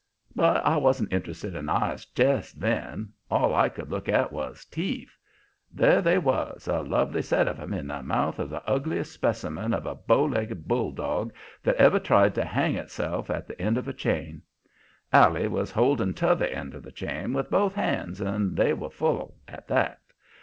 "But I wasn't interested in eyes jest then. All I could look at was teeth. There they was, a lovely set of 'em, in the mouth of the ugliest specimen of a bow legged bulldog that ever tried to hang itself at the end of a chain. Allie was holding t'other end of the chain with both hands, and they were full, at that.